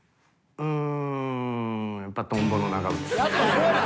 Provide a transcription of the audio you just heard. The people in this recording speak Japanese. うん？